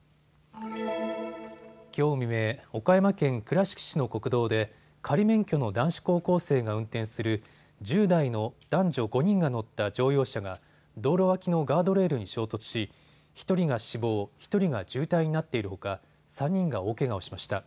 きょう未明、岡山県倉敷市の国道で仮免許の男子高校生が運転する１０代の男女５人が乗った乗用車が道路脇のガードレールに衝突し、１人が死亡、１人が重体になっているほか３人が大けがをしました。